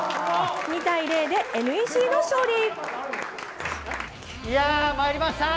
２対０でＮＥＣの勝利！